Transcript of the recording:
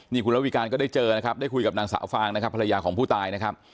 นี่คุณระวิการก็ได้เจอนะครับได้คุยกับนางสาวฟางนะครับภรรยาของผู้ตายนะครับ